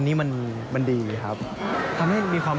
กุ๊บกิ๊บขอสงวนท่าที่ให้เวลาเป็นเครื่องที่สุดไปก่อน